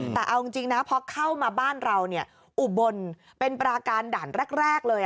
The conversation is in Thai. แต่เอาจริงนะพอเข้ามาบ้านเราอุบลเป็นปราการด่านแรกเลย